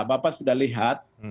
bapak sudah lihat